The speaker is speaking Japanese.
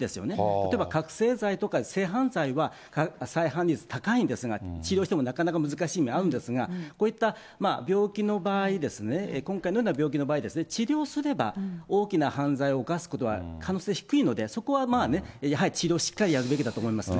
例えば覚醒剤とか性犯罪は再犯率高いんですが、治療してもなかなか難しい面あるんですが、こういった病気の場合、今回のような病気の場合、治療すれば大きな犯罪を犯すことは可能性低いので、そこは、まあね、やはり治療をしっかりやるべきだと思いますね。